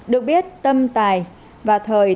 được biết tâm tài và thời